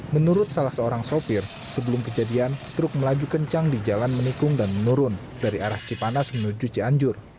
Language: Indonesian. menurut salah seorang sopir sebelum kejadian truk melaju kencang di jalan menikung dan menurun dari arah cipanas menuju cianjur